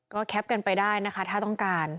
ก็แคปกันไปได้นะคะถ้าต้องการ